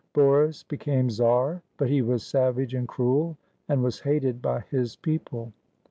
Boris became czar, but he was savage and cruel and was hated by his people.